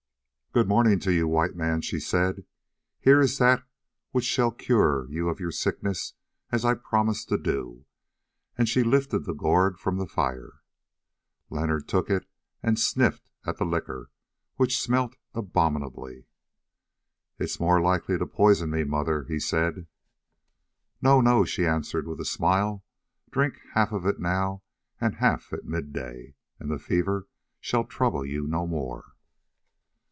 "Good morning to you, White Man," she said; "here is that which shall cure you of your sickness as I promised to do;" and she lifted the gourd from the fire. Leonard took it and sniffed at the liquor, which smelt abominably. "It is more likely to poison me, mother," he said. "No, no," she answered with a smile; "drink half of it now and half at midday, and the fever shall trouble you no more."